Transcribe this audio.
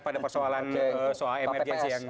persoalan soal mrjc yang